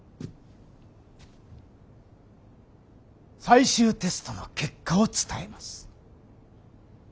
最終テストの結果を伝えます。